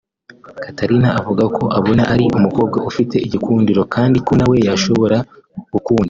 Catarina avuga ko abona ari umukobwa ufite igikundiro kandi ko nawe yashobora gukunda